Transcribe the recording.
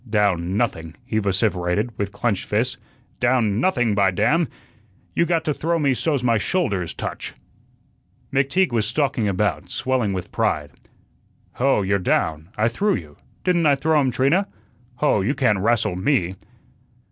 "Down nothing," he vociferated, with clenched fists. "Down nothing, by damn! You got to throw me so's my shoulders touch." McTeague was stalking about, swelling with pride. "Hoh, you're down. I threw you. Didn't I throw him, Trina? Hoh, you can't rastle ME."